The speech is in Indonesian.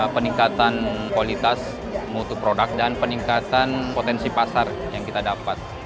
peningkatan kualitas mutu produk dan peningkatan potensi pasar yang kita dapat